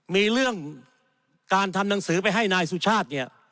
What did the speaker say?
มีเรื่องการทำหนังสือไปให้นายสุชาติเนี่ย